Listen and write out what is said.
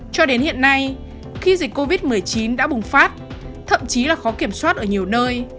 cho đến hiện nay khi dịch covid một mươi chín đã bùng phát thậm chí là khó kiểm soát ở nhiều nơi